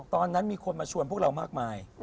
ตอนนั้นมีคนมาชวนพวกเรามากมาย